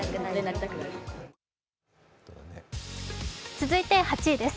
続いて８位です。